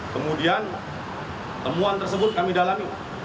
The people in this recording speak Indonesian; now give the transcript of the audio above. kemudian temuan tersebut kami dalami